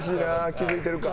気付いてるか。